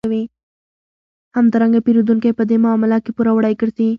همدارنګه پېرودونکی په دې معامله کې پوروړی ګرځي